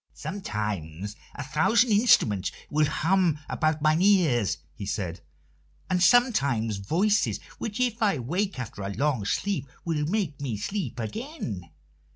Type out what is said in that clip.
"Sometimes a thousand instruments will hum about mine ears," he said, "and sometimes voices, which, if I awake after a long sleep, will make me sleep again.